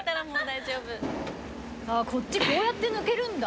こっちこうやって抜けるんだ。